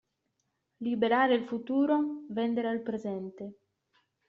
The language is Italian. Liberare il futuro, vendere il presente.